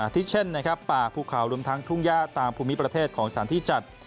ที่เช่นป่าภูเขารวมทั้งทุ่งย่าตามภูมิประเทศของสถานที่จัด